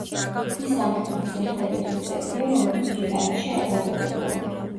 ის ამ ჯგუფის ერთადერთი წევრია, რომელიც ბრიტანეთში არ დაბადებულა.